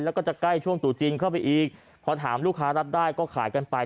แล้วก็จะใกล้ช่วงตู่จีนเข้าไปอีกพอถามลูกค้ารับได้ก็ขายกันไป